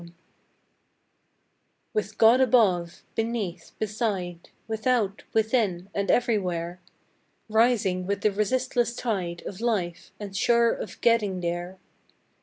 NOW f With God Above Beneath Beside Without Within and Everywhere; Rising with the resistless tide Of life, and Sure of Getting There.